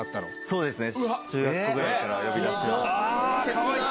そうですね。